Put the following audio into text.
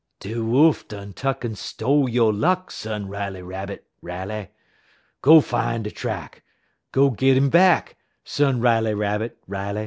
"'De Wolf done tuck en stole yo' luck, Son Riley Rabbit, Riley. Go fine de track, go git hit back, Son Riley Rabbit, Riley.'